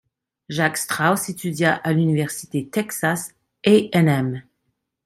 Jack Straus étudia à l'université Texas A&M.